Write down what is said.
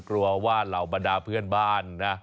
กลัวว่าเหล่าบรรดาเพื่อนบ้านนะ